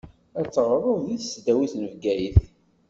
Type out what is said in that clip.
Ad teɣṛeḍ di tesdawit n Bgayet.